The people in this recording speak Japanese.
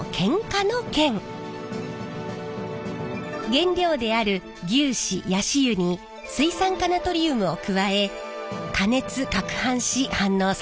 原料である牛脂ヤシ油に水酸化ナトリウムを加え加熱かくはんし反応させます。